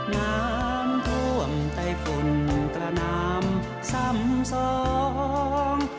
น้ำท่วมใต้ฝุ่นตระนามซ้ำสอง